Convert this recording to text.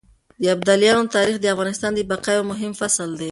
د ابدالیانو تاريخ د افغانستان د بقا يو مهم فصل دی.